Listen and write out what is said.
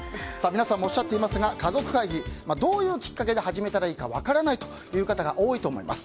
皆さんもおっしゃっていますがかぞくかいぎどういうきっかけで始めたらいいか分からないという方が多いと思います。